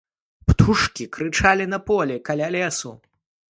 Птушкі крычалі на полі, каля лесу.